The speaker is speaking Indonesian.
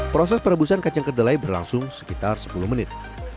proses perebusan kacang kedelai berlangsung sekitar sepuluh menit